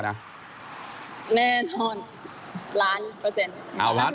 แน่นอนล้านประเศษ